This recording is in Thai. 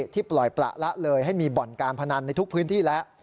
ปล่อยประละเลยให้มีบ่อนการพนันในทุกพื้นที่แล้ว